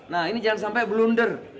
nah ini jangan sampai blunder